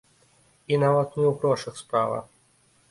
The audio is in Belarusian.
І нават не ў грошах справа.